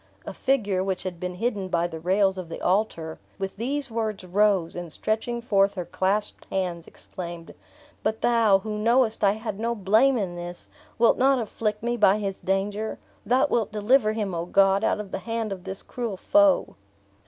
A figure, which had been hidden by the rails of the altar, with these words rose, and stretching forth her clasped hands, exclaimed, "But Thou, who knowest I had no blame in this, wilt not afflict me by his danger! Thou wilt deliver him, O God, out of the hand of this cruel foe!"